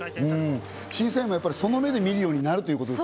審査員もその目で見るようになる。